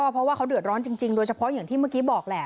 เพราะว่าเขาเดือดร้อนจริงโดยเฉพาะอย่างที่เมื่อกี้บอกแหละ